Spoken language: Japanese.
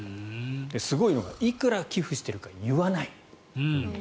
すごいのがいくら寄付しているか言わない。